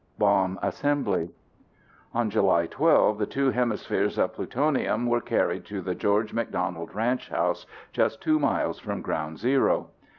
Bomb Assembly On July 12 the two hemispheres of plutonium were carried to the George McDonald ranch house just two miles from ground zero.